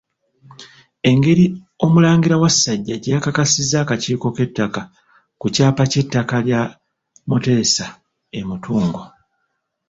Engeri omulangira Wasajja gye yakakasizza akakiiko k'ettaka ku kyapa ky'ettaka lya Muteesa e Mutungo.